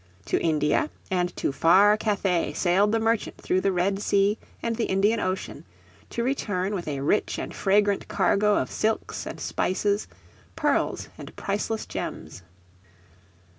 To India and to far Cathay sailed the merchant through the Red Sea and the Indian Ocean, to return with a rich and fragrant cargo of silks and spices, pearls and priceless gems.